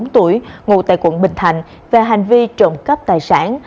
ba mươi bốn tuổi ngủ tại quận bình thạnh về hành vi trộm cấp tài sản